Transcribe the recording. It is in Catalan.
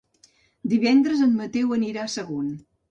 Divendres en Mateu anirà a Sagunt.